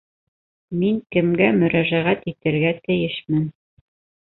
Мин кемгә мөрәжәғәт итергә тейешмен?